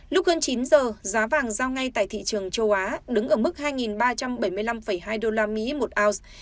lúc hơn chín giờ giá vàng giao ngay tại thị trường châu á đứng ở mức hai ba trăm bảy mươi năm hai usd một ounce